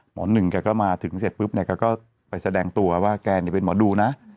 หนึ่งแกก็มาถึงเสร็จปุ๊บเนี่ยแกก็ไปแสดงตัวว่าแกเป็นหมอดูนะ